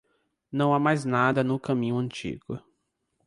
Não há mais nada no caminho antigo.